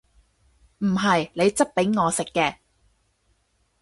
唔係你質俾我食嘅！